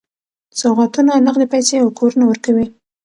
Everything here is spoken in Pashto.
سوغاتونه، نغدي پیسې او کورونه ورکوي.